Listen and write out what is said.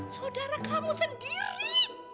saudara kamu sendiri